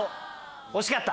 惜しかった！